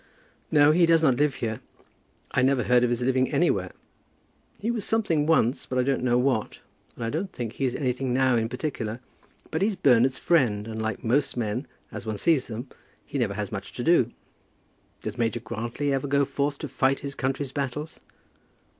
"No; he does not live here. I never heard of his living anywhere. He was something once, but I don't know what; and I don't think he's anything now in particular. But he's Bernard's friend, and like most men, as one sees them, he never has much to do. Does Major Grantly ever go forth to fight his country's battles?"